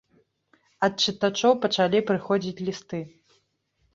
Ад чытачоў пачалі прыходзіць лісты.